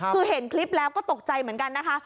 คือเห็นคลิปแล้วก็ตกใจเหมือนกันนะคะ